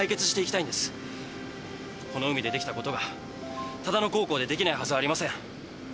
この海でできたことが唯野高校でできないはずはありません。